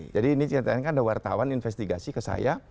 jadi ini cekan cekankan ada wartawan investigasi ke saya